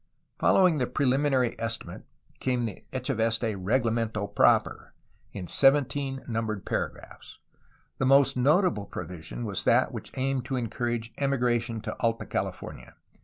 Following the preliminary estimate came the Echeveste reglamento proper, in seventeen numbered paragraphs. The most notable provision was that which aimed to encourage emigration to Alta California.